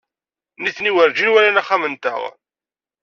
Nitni werǧin walan axxam-nteɣ.